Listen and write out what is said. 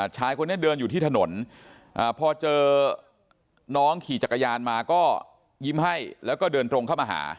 ชายคนนี้เดินอยู่ที่ถนนพอเจอน้องขี่จักรยานมาก็ยิ้มให้แล้วก็เดินตรงเข้ามาหา